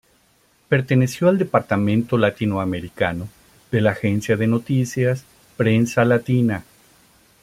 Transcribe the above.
Perteneció al Departamento Latinoamericano de la Agencia de Noticias Prensa Latina.